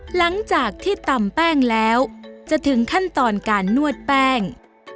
หลังจากที่ตำแป้งแล้วจะถึงขั้นตอนการนวดแป้ง